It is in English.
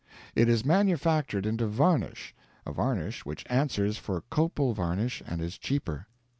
It is manufactured into varnish; a varnish which answers for copal varnish and is cheaper.